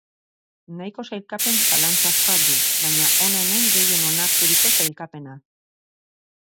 Nahiko sailkapen zalantzazkoa du, baina hona hemen gehien onarturiko sailkapena.